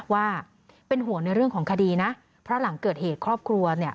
ว่าเป็นห่วงในเรื่องของคดีนะเพราะหลังเกิดเหตุครอบครัวเนี่ย